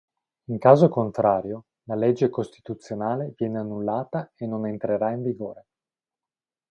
In caso contrario, la legge costituzionale viene annullata e non entrerà in vigore.